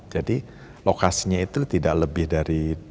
jadi lokasinya itu tidak lebih dari